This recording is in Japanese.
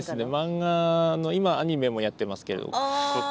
漫画の今アニメもやってますけれど。